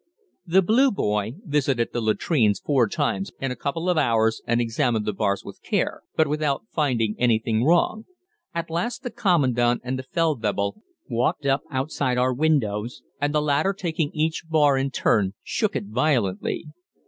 The "Blue Boy" visited the latrines four times in a couple of hours and examined the bars with care, but without finding anything wrong. At last the Commandant and the Feldwebel walked up outside our windows, and the latter taking each bar in turn shook it violently.